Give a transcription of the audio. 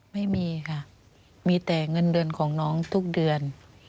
ไม่มีค่ะมีแต่เงินเดือนของน้องทุกเดือน